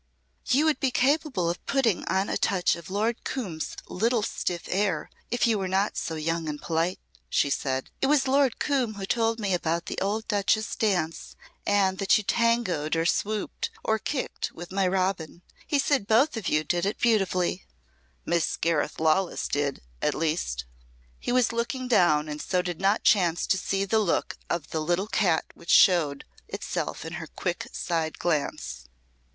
"You would be capable of putting on a touch of Lord Coombe's little stiff air if you were not so young and polite," she said. "It was Lord Coombe who told me about the old Duchess' dance and that you tangoed or swooped or kicked with my Robin. He said both of you did it beautifully." "Miss Gareth Lawless did at least." He was looking down and so did not chance to see the look of a little cat which showed itself in her quick side glance.